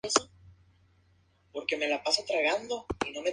Estuvo en el banco de suplentes y no jugó.